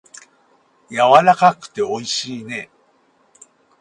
やわらかくておいしいね。